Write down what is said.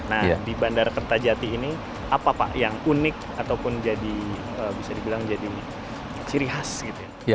nah di bandara kertajati ini apa pak yang unik ataupun jadi bisa dibilang jadi ciri khas gitu ya